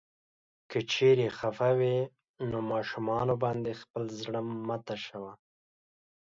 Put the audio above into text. که چيرې خفه وې نو ماشومانو باندې خپل زړه مه تشوه.